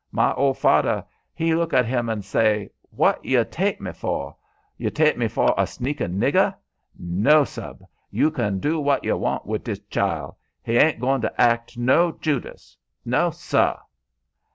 My ol' fader he look at 'm an' say: 'Wot yuh take me foh? Yuh take me foh a sneakin' nigger? No, sub, you kin du wot yuh like wid dis chile; he ain't goin' to act no Judas. No, suh!'